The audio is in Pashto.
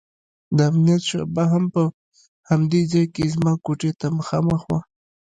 د امنيت شعبه هم په همدې ځاى کښې زما کوټې ته مخامخ وه.